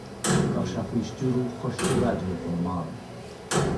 Bheadh sé faoi stiúrú Choiste Raidió Chonamara.